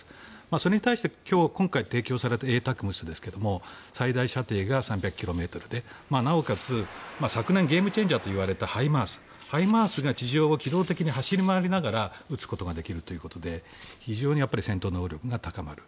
それに対して今回提供されたＡＴＡＣＭＳですが最大射程が３００ｋｍでなおかつ、昨年ゲームチェンジャーと呼ばれたＨＩＭＡＲＳＨＩＭＡＲＳが地上を機動的に走り回りながら撃つことができるということで非常に戦闘能力が高まる。